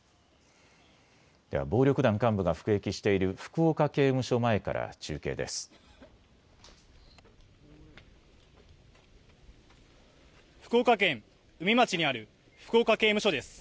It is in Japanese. では暴力団幹部が服役している福岡刑務所前から中継です。